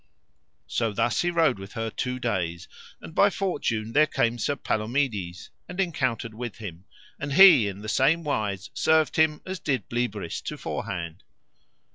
So thus he rode with her two days; and by fortune there came Sir Palomides and encountered with him, and he in the same wise served him as did Bleoberis to forehand.